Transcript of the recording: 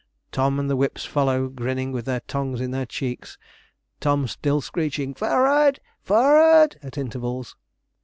Tom and the whips follow, grinning with their tongues in their cheeks, Tom still screeching 'F o o o rard! F o o o rard!' at intervals.